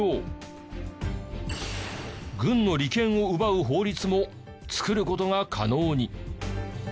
軍の利権を奪う法律も作る事が可能に。